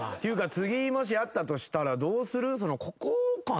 次もしあったとしたらどうする？